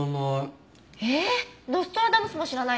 ノストラダムスも知らないの？